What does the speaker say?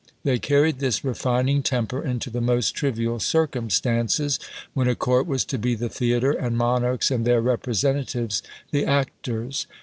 They carried this refining temper into the most trivial circumstances, when a court was to be the theatre, and monarchs and their representatives the actors.